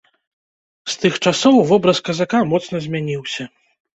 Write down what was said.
З тых часоў вобраз казака моцна змяніўся.